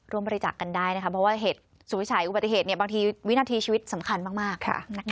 ร่วมบริจักษ์กันได้นะครับเพราะว่าเหตุสูตรวิชัยอุบัติเหตุเนี่ยบางทีวินาทีชีวิตสำคัญมาก